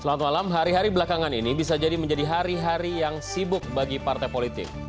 selamat malam hari hari belakangan ini bisa jadi menjadi hari hari yang sibuk bagi partai politik